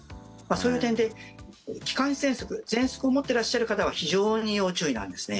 そういう点で、気管支ぜんそくぜんそくを持っていらっしゃる方は非常に要注意なんですね。